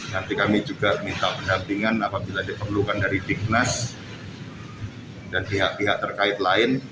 nanti kami juga minta pendampingan apabila diperlukan dari dignas dan pihak pihak terkait lain